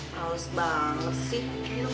raus banget sih